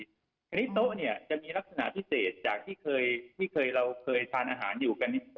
ทีนี้โต๊ะเนี่ยจะมีลักษณะพิเศษจากที่เคยเราเคยทานอาหารอยู่กัน